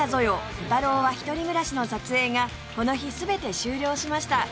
コタローは１人暮らし』の撮影がこの日全て終了しました